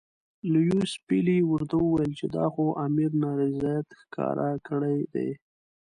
لیویس پیلي ورته وویل چې دا خو امیر نارضاییت ښکاره کړی دی.